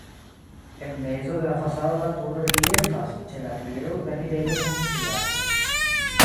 En mezo de la fasado la turo reliefas, ĉe la piedo la enirejo funkcias.